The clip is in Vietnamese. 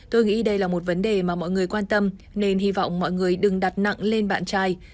tôi nghĩ đây là một vấn đề mà mọi người quan tâm nên hy vọng mọi người đừng đặt nặng lên bạn trai